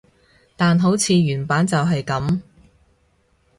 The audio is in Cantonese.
但好似原版就係噉